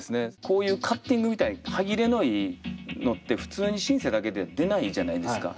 こういうカッティングみたい歯切れのいいのって普通にシンセだけで出ないじゃないですか。